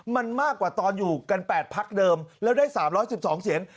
มันมากกว่าตอนอยู่กัน๘พักเดิมแล้วได้๓๑๒เสียง